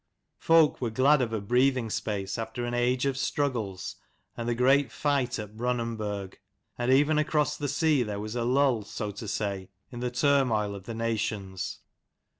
Folk were glad of a breathing space after an age of struggles and the great fight at Brunanburg; and even across the sea there was a lull, so to say, in the turmoil of the nations.